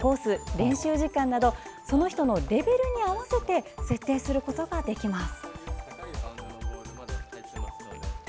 練習時間などその人のレベルに合わせて設定することができます。